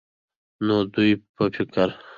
نو د دوي په فکر